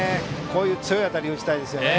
こういう強い当たりを打ちたいですよね。